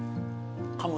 かむ